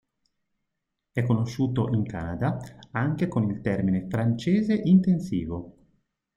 È conosciuto in Canada anche con il termine "francese intensivo".